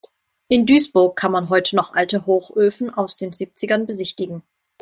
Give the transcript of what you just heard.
In Duisburg kann man heute noch alte Hochöfen aus den Siebzigern besichtigen.